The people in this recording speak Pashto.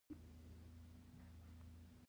قرآن کریم یو معجز کتاب دی .